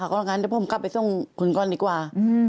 ก็บอกว่าอย่างนั้นเดี๋ยวผมกลับไปทรงคุณก่อนดีกว่า